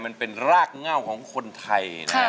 มันเป็นรากเง่าของคนไทยนะฮะ